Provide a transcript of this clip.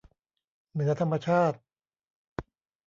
เหนือธรรมชาติ